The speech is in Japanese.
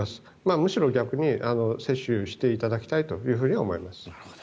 むしろ逆に接種していただきたいと思います。